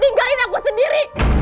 tinggalin aku sendiri